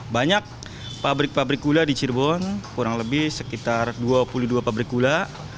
banyak pabrik pabrik gula di cirebon kurang lebih sekitar dua puluh dua pabrik gula